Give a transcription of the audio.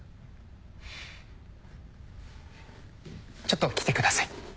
ちょっと来てください。